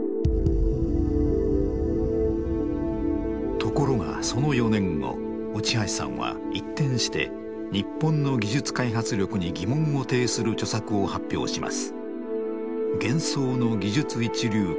ところがその４年後内橋さんは一転して日本の技術開発力に疑問を呈する著作を発表します。